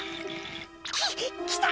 ききた！